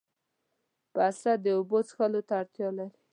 پسه د اوبو څښلو ته اړتیا لري.